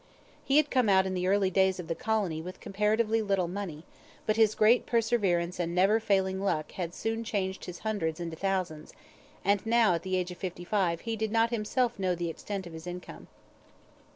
He had come out in the early days of the colony with comparatively little money, but his great perseverance and never failing luck had soon changed his hundreds into thousands, and now at the age of fifty five he did not himself know the extent of his income.